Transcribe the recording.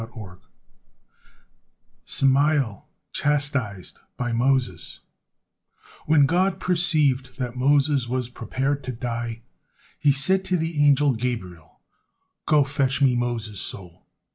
SAMAEL CHASTISED BY MOSES When God perceived that Moses was prepared to die, He said to the angel Gabriel, "Go, fetch Me Moses' soul."